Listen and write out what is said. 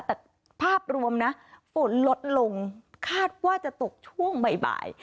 แต่ภาพรวมนะฝนลดลงคาดว่าจะตกช่วงบ่าย